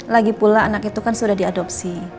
lagi pula anak itu kan sudah diadopsi